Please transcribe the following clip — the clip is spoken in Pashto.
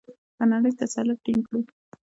په نړۍ تسلط ټینګ کړو؟